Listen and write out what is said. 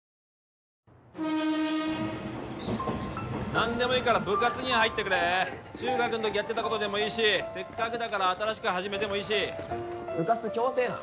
何でもいいから部活には入ってくれ中学ん時やってたことでもいいしせっかくだから新しく始めてもいいし部活強制なん？